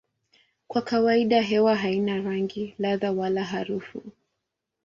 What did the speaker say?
Kwa kawaida hewa haina rangi, ladha wala harufu.